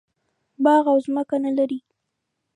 باغ او ځمکه نه لري.